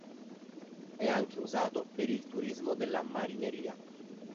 È anche usato per il turismo dalla marineria.